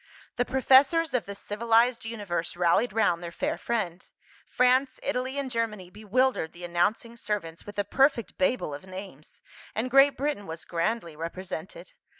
The Professors of the civilised universe rallied round their fair friend. France, Italy, and Germany bewildered the announcing servants with a perfect Babel of names and Great Britain was grandly represented.